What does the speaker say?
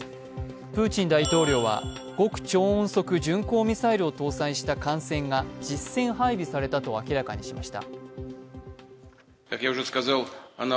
プーチン大統領は極超音速巡航ミサイルを搭載した艦船が実戦配備されたと明らかにしました。